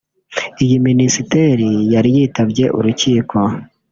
Iyi Minisiteri yari yitabye urukiko